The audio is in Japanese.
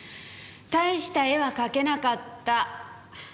大した絵は描けなかった。